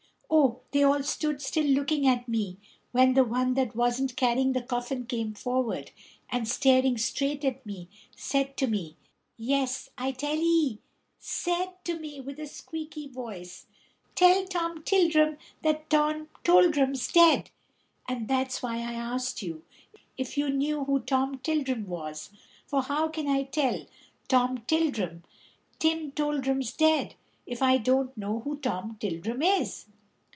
Oh, they all stood still looking at me, when the one that wasn't carrying the coffin came forward and, staring straight at me, said to me yes, I tell 'ee, said to me, with a squeaky voice, 'Tell Tom Tildrum that Tim Toldrum's dead,' and that's why I asked you if you knew who Tom Tildrum was, for how can I tell Tom Tildrum Tim Toldrum's dead if I don't know who Tom Tildrum is?"